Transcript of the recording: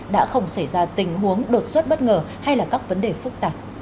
đã không xảy ra tình huống đột xuất bất ngờ hay là các vấn đề phức tạp